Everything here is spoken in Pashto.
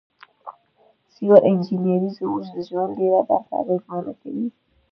سیول انجنیری زموږ د ژوند ډیره برخه اغیزمنه کوي.